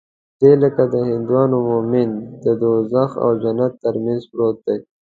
دى لکه د هندوانو مومن د دوږخ او جنت تر منځ پروت دى.